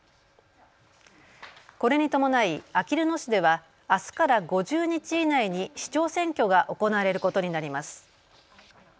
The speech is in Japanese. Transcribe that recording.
これに伴い、あきる野市ではあすから５０日以内に市長選挙が行われることになります。